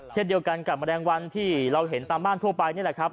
เช่นเดียวกันกับแมลงวันที่เราเห็นตามบ้านทั่วไปนี่แหละครับ